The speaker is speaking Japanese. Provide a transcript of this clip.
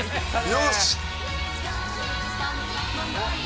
よし！